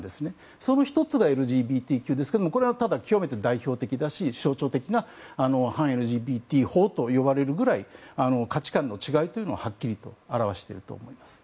その１つがＬＧＢＴＱですがこれは代表的だし象徴的な反ＬＧＢＴ法といわれるぐらい価値観の違いを示していると思います。